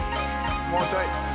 もうちょい。